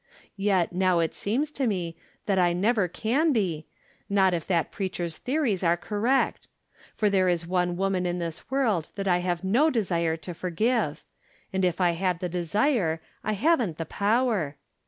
Yet, now it seems to me that I never can be, not if that preacher's theories are correct; for there is one woman in this world that I have no desire to for give, and if I had the desire I haven't the power.